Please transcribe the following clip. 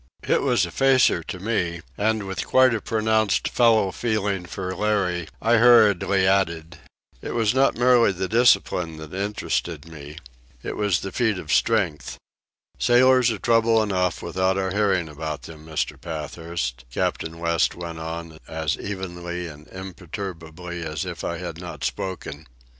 It was a facer to me, and with quite a pronounced fellow feeling for Larry I hurriedly added: "It was not merely the discipline that interested me. It was the feat of strength." "Sailors are trouble enough without our hearing about them, Mr. Pathurst," Captain West went on, as evenly and imperturbably as if I had not spoken.